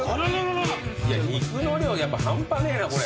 肉の量半端ねえなこれ。